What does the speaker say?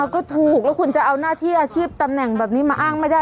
ก็ถูกแล้วคุณจะเอาหน้าที่อาชีพตำแหน่งแบบนี้มาอ้างไม่ได้